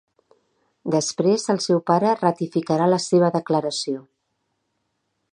Després el seu pare ratificarà la seva declaració.